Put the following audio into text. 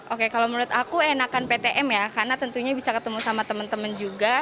oke kalau menurut aku enakan ptm ya karena tentunya bisa ketemu sama teman teman juga